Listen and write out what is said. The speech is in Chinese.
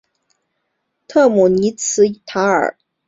特姆尼茨塔尔是德国勃兰登堡州的一个市镇。